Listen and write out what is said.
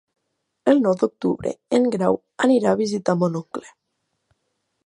El nou d'octubre en Grau anirà a visitar mon oncle.